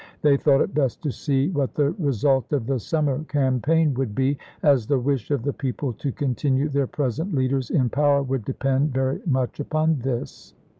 They thought it best to see what the result of the summer campaign would be, as the wish of the people to continue their present leaders in power would depend very much upon this.